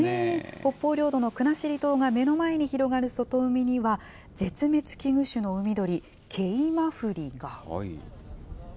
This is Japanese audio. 北方領土の国後島が目の前に広がる外海には、絶滅危惧種の海鳥、ケイマフリが。